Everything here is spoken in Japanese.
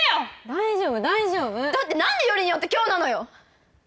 大丈夫大丈夫何でよりによって今日なのよ！